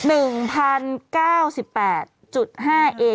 อื้อฮือ